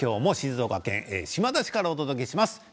今日も静岡県島田市からお届けします。